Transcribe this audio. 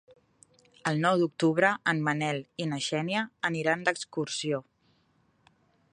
El nou d'octubre en Manel i na Xènia aniran d'excursió.